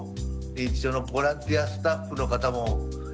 認知症のボランティアスタッフの方も生き生きとね